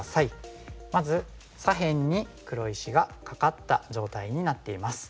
まず左辺に黒石がカカった状態になっています。